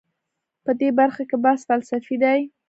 په دې برخه کې بحث فلسفي دی.